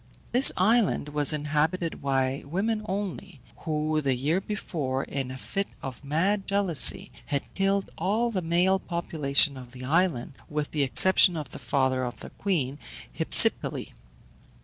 This island was inhabited by women only, who, the year before, in a fit of mad jealousy, had killed all the male population of the island, with the exception of the father of their queen, Hypsipyle.